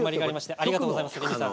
ありがとうございます、レミさん。